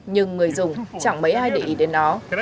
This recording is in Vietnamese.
nhưng người dùng chẳng mấy ai để ý đến nó